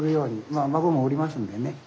まあ孫もおりますんでね。